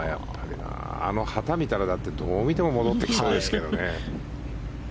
あの旗、見たらどう見ても戻ってきそうですけどね。